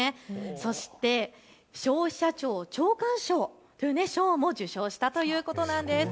そして、消費者庁長官賞、受賞したということなんです。